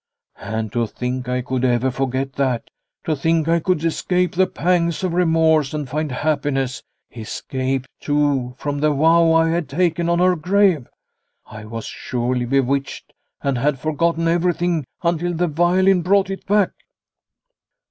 " And to think I could ever forget that ! To The Home 261 think I could escape the pangs of remorse and find happiness ; escape, too, from the vow I had taken on her grave ! I was surely bewitched, and had forgotten everything until the violin brought it back."